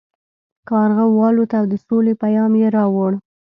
کارغه والوت او د سولې پیام یې راوړ.